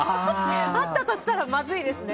あったとしたらまずいですね。